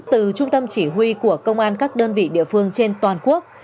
từ trung tâm chỉ huy của công an các đơn vị địa phương trên toàn quốc